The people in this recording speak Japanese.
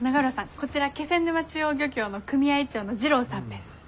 こちら気仙沼中央漁協の組合長の滋郎さんです。